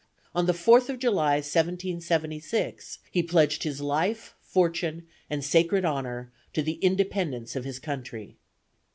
ON THE FOURTH OF JULY, 1776, HE PLEDGED HIS LIFE, FORTUNE, AND SACRED HONOR TO THE INDEPENDENCE OF HIS COUNTRY.